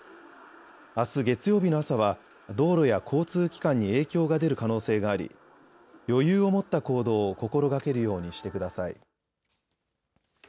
あす月曜日の朝は道路や交通機関に影響が出る可能性があり余裕を持った行動を心がけるようにしてください。